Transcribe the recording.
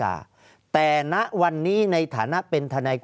ภารกิจสรรค์ภารกิจสรรค์